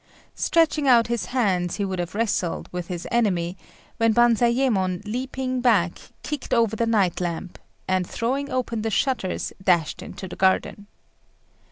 Stretching out his hands, he would have wrestled with his enemy; when Banzayémon, leaping back, kicked over the night lamp, and throwing open the shutters, dashed into the garden.